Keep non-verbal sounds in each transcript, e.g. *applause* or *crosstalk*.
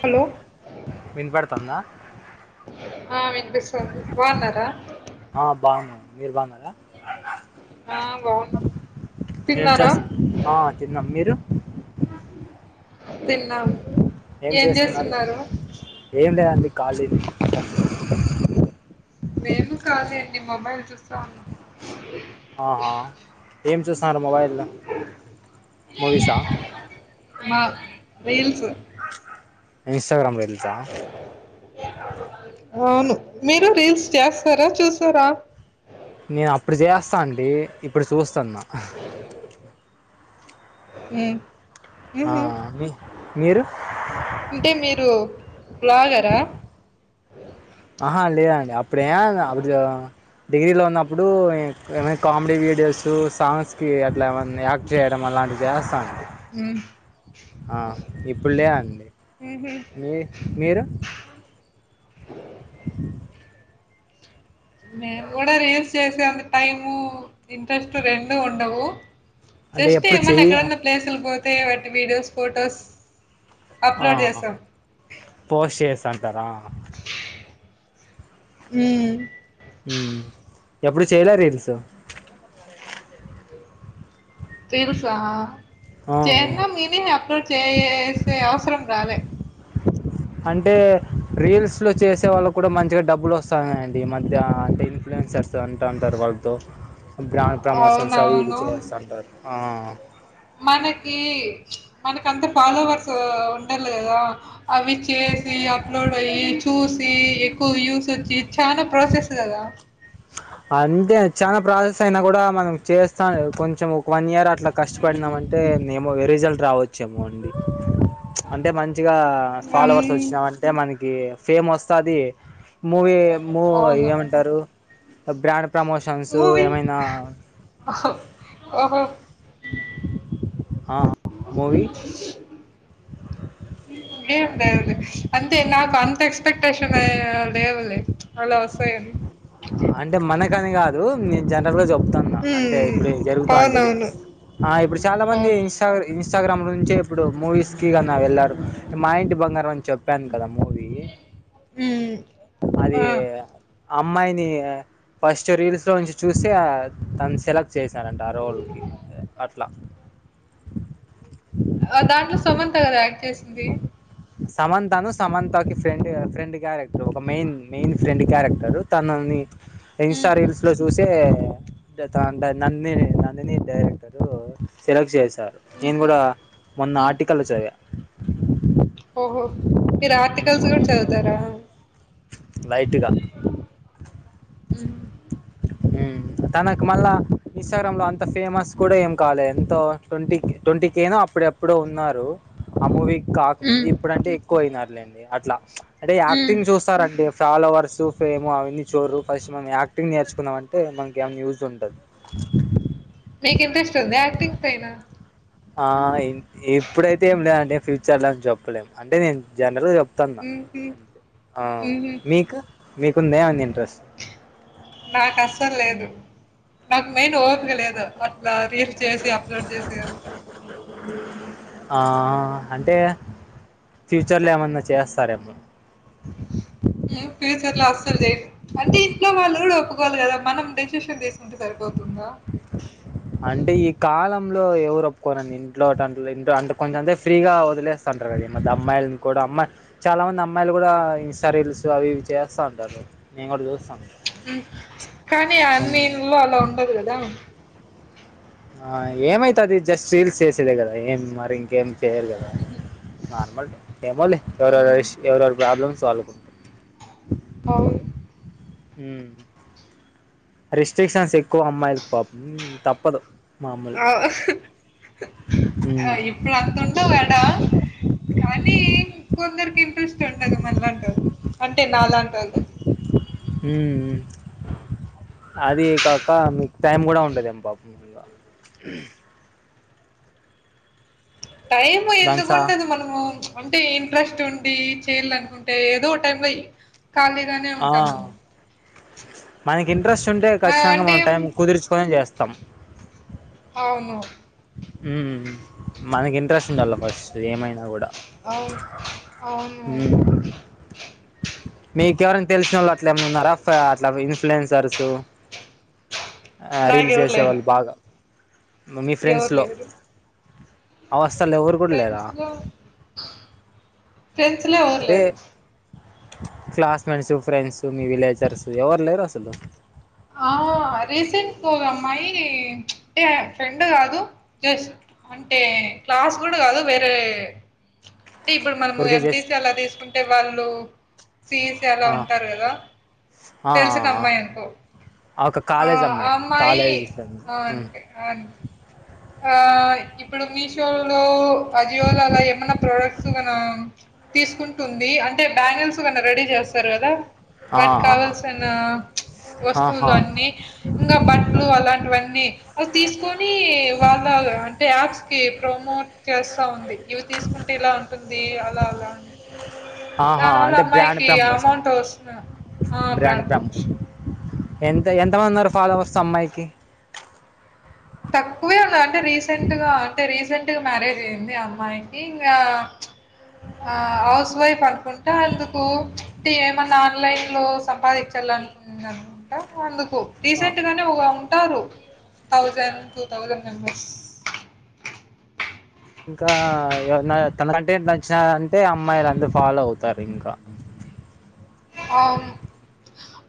Hello వినపడుతుందా ఆ వినిపిస్తుంది బాగున్నారా ఆ బాగున్నం మీరు బాగున్నారా ఆ బాగున్నా ఏం తిన్నారా చేస్ ఆ తిన్నాం మీరు తిన్నాం ఏం చేస్తున్నారు ఏం లేదండి ఖాళీనే నేను కాలి అండి మొబైల్ చూస్తా ఉన్నాం ఆహా ఏం చూస్తున్నారు మొబైల మూవీసా మా రీల్స్ ఇంస్టాగ్రామ్ రీల్స అవును మీరు రీల్స్ చేస్తారా చూసారా నేను అప్పుడు చేస్తా అండి ఇప్పుడు చూస్తాన్నా అ ఆ, ఆహా మీ- మీరు అంటే మీరు బ్లాగరా ఆహా లేదండి అప్పుడే అప్పుడు డిగ్రీలో ఉన్నప్పుడు ఏమై కామెడీ వీడియోసు సాంగ్స్కి అట్లా ఏమన్నా యాక్ట్ చేయడం అలాంటివి చేస్తాను ఉహు ఆ ఇప్పుడులే అండి మీది మీరు *inaudible* *inaudible* మేమ్ గూడ రీల్స్ చేసేంత టైము ఇంట్రెస్ట్ రెండూ ఉండవూ అంటే జస్ట్ ఎప్పుడు ఏమన్న చెయ్యి ఎక్కడన్న ప్లేసులుక్ పోతె వాటి వీడియోస్ ఫొటోస్ ఆ అప్లోడ్ హా చేస్తాం పోస్ట్ చేస్తాంటార హుమ్ హుమ్ ఎప్పుడు చేయల రీల్సు రీల్సా ఆ చేస్నాం మేమే అప్లోడ్ చేసే అవసరం రాలే అంటే రీల్స్లొ చేసే వాళ్ళక్కూడా మంచిగా డబ్బులు వస్సన్నాయండి ఈ మధ్య అంటే ఇన్ఫ్లుయెన్సర్స్ అంట ఉంటారు వాళ్ళతో *unintelligible* బ్రాండ్ ప్రమోషన్స్ అవి ఇవి అవునవును. చేస్తంటారు హా మనకీ మనకంత ఫాలోవర్సు ఉండల్ల కదా అవి చేసి అప్లోడ్ అయి చూసి ఎక్కువ వ్యూసొచ్చి చాన ప్రాసెస్ గదా అంతె చాన ప్రాసెస్ అయినా గూడా మనం చేస్తా కొంచెం ఒక వన్ ఇయర్ ఆ అట్ల కష్టపడినామంటే ఏమో రిజల్ట్ రావచ్చేమో అండి అంటె మంచిగా అన్ ఫాలోవర్స్ వచ్చినామంటే మనకి ఫేమ్ వస్తాది మూవీ మూ అవును. ఏమంటరూ బ్రాండ్ ప్రమోషన్సు ఏమైనా *unintelligible* *unintelligible* ఆ మూవీ ఏంలేదు అంతే నాకు అంత ఎక్స్పెక్టేషను లేవులే అలా వస్తాయని అంటె మనకని కాదు నేను జనరల్ గా చెప్ ప్తన్న అంటే హ్మ్. ఇపూడు జరుగుతాండేది అవునవును. ఆ ఇపూడు చాలా మంది అవును. న్స్టా ఇన్స్టాగ్రామ్ నుంచే ఇప్పుడు మూవీస్ కి గాన వెళ్ళాడు మా ఇంటి బంగారం అని చెప్పాను కదా మూవీ హుమ్ అదీ అమ్మాయిని ఫస్ట్ రీల్స్ లో నుంచి చూసే తన్ సెలెక్ట్ చేసరంట ఆ రోల్కి అట్లా దాంట్లో సమంత గదా యాక్ట్ చేసింది. సమంతను సమంతకిి ఫ్రెండ్ ఫ్రెండ్ క్యారెక్టర్ ఒక మెయిన్ మెయిన్ ఫ్రెండ్ క్యారెక్టరు తనని *unintelligible* ఇన్స్టా రీల్స్ లొ చూసే చేత్తారంట నందిని నందినీ డైరెక్టరు సెలెక్ట్ చేసా నేను హుహు. కూడా మొన్న హ్మ్. ఆర్టికలో చదివా ఓహో మీరు ఆర్టికల్స్ గూడ చదువుతారా లైటు గా హు హ్మ్ *unintelligible* తనకు మళ్ళా ఇన్స్టాగ్రామ్ లో అంత ఫేమస్ కూడ ఏం కాలే ఎంతో ట్వంటీ కే ట్వంటీ కేనో అప్పుడేప్ డెప్పురో ఉన్నారు ఆ మూవీ కాకముందు హ్మ్. ఇప్పుడంటే ఎక్కువ అయినారులేండి అట్లా అంటే హ్మ్. యాక్టింగ్ చూస్ స్తారండి ఫాలోవర్సు ఫేము అవన్నీ చూడరు ఫస్ట్ మనం యాక్టింగ్ నేర్చుకున్నాం వాని అంటే మనకేమ్ యూస్ ఉండాదు మీకు ఇంట్రెస్ట్ ఉందా యాక్టింగ్ పైన ఆ ఇప్పుడైతే ఏం లేదండి ఫ్యూచర్ లో ఏం చెప్పలేమ్ అంటే నేను జనరల్ గా చెప్తాన్న *inaudible* ఆ హుహు. మీకు మీ కుంద్యా ఏమన్న ఇంట్రెస్ట్ నాకు అసలు లేదు నాకు మెయిన్ ఓపిక లేదు అట్లా రీల్ చేసి అప్లోడ్ చేసె అంత ఆ అంటే ఫ్యూచర్లో ఏమన్నా చేస్తారేమో హమ్ ఫ్యూచర్ లో అసలు చెయ్యను. అంటే ఇంట్లో వాళ్ళు కూడా ఒప్పుకోవాలి. కదా మనం డెసిషన్ తీసుకుంటే సరిపోతుందా అంటే ఈ కాలంలో ఎవరు ఒప్పుకోరండి ఇంట్లో ఇ అంటే కొంచెం అంతే ఫ్రీగా వదిలేస్తే అంటారు కద మ అమ్మాయిలు కూడా అమ్మా చాలా మంది అమ్మాయిలు కూడా ఇన్స్టా రీల్స్ అవి ఇవి చేస్తా ఉంటారు. నేను కూడా చూస్తా ఉంటా కానీ అన్ని ఇండ్లలో అలా ఉండదు కదా ఆ ఏమైతాది జస్ట్ సేల్స్ చేసేదే కదా ఏం మరి ఇంకేం చేయ్యరు. కదా నార్మల్ ఏమో లే హ్మ్. ఎవరెష్ ఎవరెవరు ప్రాబ్లమ్స్ వాళ్లయి అవును ఉమ్ రిస్ట్రిక్షన్స్ ఎక్కువ అమ్మాయిలక్ పాపం తప్పదు మామూలు ఆ ఉమ్ ఇప్పుడు అంతంట వేడా కానీ కొందరికి ఇంట్రెస్ట్ ఉండదు మన్లాంటోలు అంటే నాలాంటోలు ఉ ఉ అదీ కాక మీకు టైం గూడా ఉండదేమో పాపం టైము దానికి సా ఎందుకుండదు మనము అంటే ఇంట్రెస్ట్ ఉండి చేయాలనుకుంటే ఏదో ఒ టైమ్ లో ఖాళీగానే ఆ ఉంటాము మనకి ఇంట్రెస్ట్ ఉంటే మ ఖచ్చితంగా అంటే మనం టైం కుదుర్చుకొని అయినా చేస్తాం అవును ఉమ్ మనకి ఇంట్రెస్ట్ ఉండాల ఫస్ట్ ఏమైనా గూడా అవును అవును మీకెవరైనా తెలిసిన వాళ్ళు అట్ల ఏమన్నా ఉన్నరా అట్లా ఇన్ఫ్లుయెన్సర్స్ ఆ రీల్స్ నాకెవరు లేరు జెసేవాళ్ళు బాగా మీ ఫ్రెండ్స్ ఎవరు లో లేరు అవర్స్ల ఎవరు కూడా లేరా ఫ్రెండ్స్ లో ఫ్రెండ్స్ లో ఎవరు లేరు క్లాస్ మేట్స్ ఫ్రెండ్స్ మీ విలేజర్స్ ఎవరు లేరు అసలు ఆ రీసెంట్ గా ఒగా అమ్మాయీ అంటే ఫ్రెండు కాదు జస్ట్ అంటే క్లాస్ గూడా కాదు వేరే అంటే ఇప్పుడు మనం ఊరికే ఎం పి చేసి సి అలా తీస్కుంటే వాళ్ళు సి ఈ సి అలా ఆ ఉంటారు గదా ఆ తెలిసిన ఆ అమ్మాయి అనుకో ఆ ఒక అ కాలేజ్ ఆ అమ్మాయి అమ్మాయీ కాలేజ్ ఫ్రెండ్ ఆ ఉమ్ అంటే అన్ ఆ ఇప్పుడు మీషో లో అ జియోలో అలా ఏమైన్నా ప్రోడక్ట్ గలా తీస్కుంటుంది అంటే బ్యాంగల్స్ గట్ల రెడీ జెస్తారు గదా ఆ వాటిక్ ఆ కావాల్సినా ఆహా వస్తువులు అన్ని ఇంగా బట్లు అలాంటివన్నీ అవి తీస్కొనీ కీ వాళ్ళ అంటే యాప్స్ కి ప్రమోట్ చేస్తా ఉంది ఇవి తీస్కుంటే ఇలా ఉ ఉంది అలా అలా అని ఆహా దానివల్ల అంటే బ్రాండ్ అమ్మాయికి ప్రమోషన్ అమౌంట్ ఓసుంద ఆ బ్రాండ్ ఫంక్షన్ ఎంత ఎంతమంది ఉన్నారు ఫాలోవర్స్ అమ్మాయికి తక్కువే అంటే రీసెంట్ గా అంటే రీసెంట్ గా మ్యారేజ్ అయింది అమ్మాయికి ఇంకా అ ఆ హౌస్ వైఫ్ అనుకుంటే అందుకు అంటే ఏమన్నా ఆన్లైన్ లో సంపాదించన్ అంటా అందుకు ఆ, రీసెంట్ గానే ఒగా ఉంటారు దక్కు టూథౌసండ్ రూప్స్ ఇంకా ఎవరన్నా తమరంటె నచ్చి అంటే అమ్మాయిలు అంతా ఫాలో అవ్తారు ఇంకా ఆమ్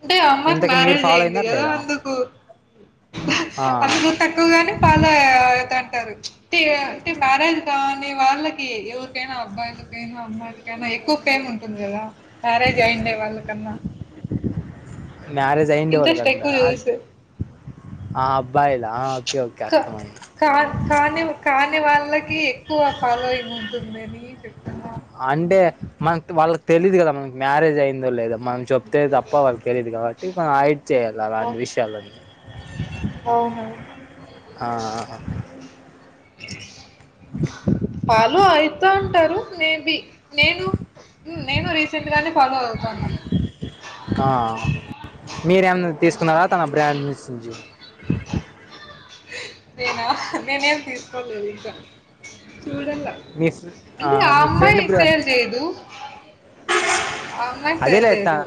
అంటే ఆ అమ్మాయికి ఇంతకి మీరు మ్యారేజ్ ఫాలో అయింది అయినారు గదా అందుకు ఆ నుగాని ఫాలో అయ్యవ ఏంటి అంటారు అంటే ఇగ మ్యారేజ్ గాని వాళ్ళకి కి ఎవరికైనా అబ్బయిలకైనా అమ్మాయిలకైనా ఎక్కువ ఫేమ్ ఉంటుంది గదా మ్యారేజ్ అయిన వాళ్ళకి మ్యారేజ్ అయిండే ఇంట్రెస్ట్ ఎక్కువ చూపిస్తారు *unintelligible* ఆ అబ్బాయిలా ఆ ఓకే ఓకే కా అర్థమయింది కా కాని కాని వాళ్ళకి ఎక్కువ ఫాలోయింగ్ ఉంటుంది అని చెప్తున్నా అంటే మనకి వాళ్ళకి తెలీదు కదా మనకి మ్యారేజ్ అయిందో లేదో మనం చెప్తే తప్ప వాళ్ళకి తెలిదు. కాబట్టి మనం హైడ్ చేయాలి అలాంటి విషయాలన్నీ అవునవును ఆ ఫాలో అయితా అంటారు మేబి నేను నేను రీసెంట్ గానే ఫాలో అవుతాన్న ఆ మీరేమై తీసుకున్నారా తన బ్రాండ్ నుంచి నేనా నేనేం తీసుకోలేదు ఇంకా చూడలా మీ ఫ్ర- అంటే ఆ మీ అమ్మాయి ఫ్రెండ్ బ్రా సేల్ చేయదు ఆ అమ్మాయి సేల్ అదేలా ఎత్త చేయదు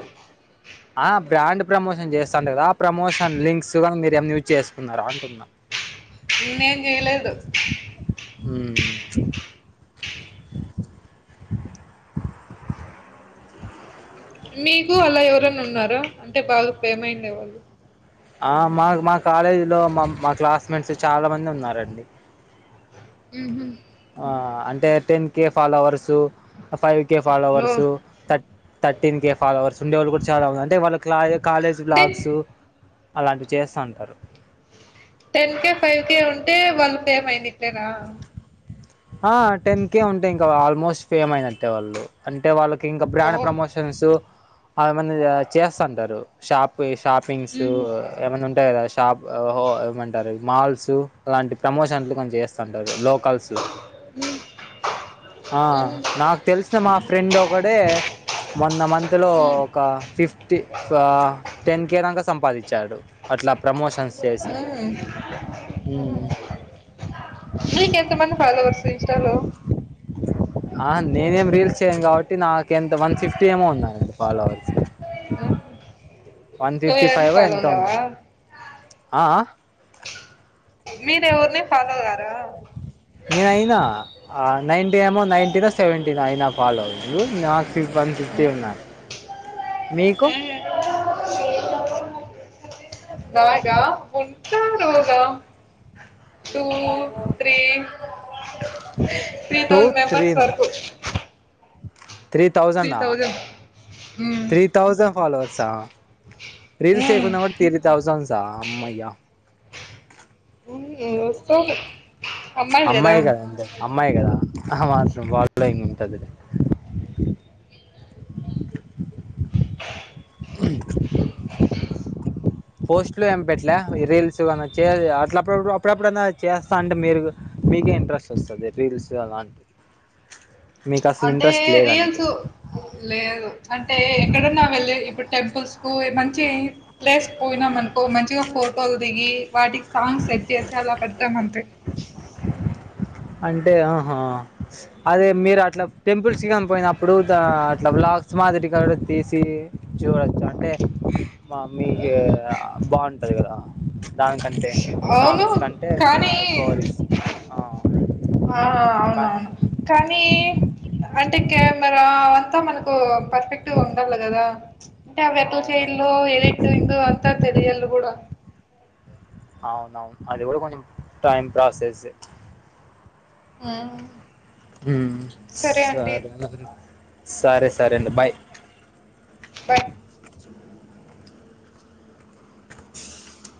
ఆ బ్రాండ్ ప్రమోషన్ చేస్తాంట కదా ఆ ప్రమోషన్ లింక్స్ గానీ మీరు ఏమ యూజ్ చేసుకున్నార అని అంటుంనా నేను చేయలేదు హ్ మీకు అలా ఎవరన్న ఉన్నారా అంటే బాగా ఫేమ్ అయిండే వాళ్ళు ఆ మా మా కాలేజీ లో మా మా క్లాస్ మేట్స్ చాలా మంది ఉన్నారు అండి ఉహ్ ఆ అంటే ten K followers five K ఓ ఫాలోవర్సు ధర్ థర్టీన్ క ఫావ అవర్స్ ఉండేవాళ్ళు కూడా చాలా ఉంది అంటే వాళ్ళ కాలేజ్ అంటే బ్లాగస్ అలాంటివి చేస్త ఉంటారు టెన్ కే ఫైవ్ కే ఉంటే వాళ్ళు కెమైంది ఇస్తారా ఆ టెన్ కే ఉంటె ఇంకా ఆల్మోస్ట్ ఫేమ్ అయినట్టే వాళ్ళు అంటే వాళ్ళకి ఇంకా బ్రాండ్ ఓహో ప్రమోషన్ అవన్నీ చేస్త ఉంటారు షపి షాపింగ్స్ మ్మ్. ఏమన్నా ఉంటాయి కదా షాప్ ఏమంటారు మాల్స్ లాంటి ప్రమోషన్లు కొంచెం చేస్త చేస్తా ఉంటారు లోకల్స్ లో ఆ మ్మ్. నాకు తెలిసిన మా ఫ్రెండ్ ఒకడే మొన్న మంత్లో మ్మ్. ఒక ఫిఫ్టీ టెన్ కే దంక సంపాదించాడు. అట్లా ప్రమోషన్స్ చేసి మ్మ్. హ్ మీకు ఎంత మంది ఫాలోవర్స్ ఇన్స్టలో ఆ నేనేం రీల్స్ చేయను కాబట్టి నాకు ఎంత వన్ ఫిఫ్టీ ఏమో ఉన్నా రండి ఫాలోవర్స్ వన్ నువ్వు ఫిఫ్టీ ఎవ్వరిని ఫైవ్ ఫాలో ఎంత కావా ఉన్నారు ఆ మీరూ ఎవరినీ ఫాలో గారా నేను అయినా నైన్ంట ఏమో నైన్ టీనా సెవెంటీన్ అయినా ఫాలో వర్స్ అవు నాకు వన్ ఫిఫ్టీ మ్మ్. ఉన్నారు మీకు చే నాక ఉంటారుగా two three three two thousand members త్రీనా వరకు త్రీ థౌజండ్ మ్మ్. త్రీ థౌజండ్ ఫలోవర్సా రీల్స్ మ్మ్. చేయకున్నా కూడా త్రీ తౌసండ్స అమ్మయ్యా వస్తరూ అమ్మాయి కద అంతే అమ్మాయి కదా ఆ మాత్రం ఫాలోయింగ్ ఉంటది లే *inaudible* పోస్ట్లు ఏం పెట్లే రీల్స్ గన్నా చే అట్ల అప్పుడప్పుడు అప్పుడప్పుడనా జేస్తా అంటే మీరు మీకే ఇంట్రెస్ట్ వస్తది రీల్స్ అలాంటివి మీకు అసలు అంటే ఇంట్రెస్ట్ రీల్స్ లేదంటే లేదు అంటే ఎక్కడన్నా వెళ్ళి ఇప్పుడు టెంపుల్స్ కు మంచి ప్లేస్ పోయినాం అనుకో మంచిగా ఫోటోలు దిగి వాటికి సాంగ్ సెట్ జేసి అలా పెడతాం అంతే అంటే ఆహా అదే మీరు అట్లా టెంపుల్స్ గాని పోయినప్పుడు ద అట్లా వ్లాగ్స్ మాదిరిగా తిసి చూడచ్చు అంటే మా మీకే బాగుంటది గదా దానికంటే అవును సాంగ్స్ కంటే మీ కానీ వాయిస్ ఓవర్ ఆ కానీ అవునవును కానీ అంటే కెమెరా అవొంత మనకు పర్ఫెక్ట్ ఉండాల గదా అంటే అవి ఎట్ట అవునవును చేయల్లో ఎడిట్టింగు అంతా తెలియళు గూడా అవునవును అది గూడా కొంచం టైం ప్రాసెసే హ్మ్. ఉమ్ సరే మరి సరే సరే అండి బాయ్ బాయ్ *inaudible*